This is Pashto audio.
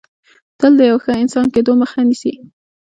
تل د یو ښه انسان کېدو مخه نیسي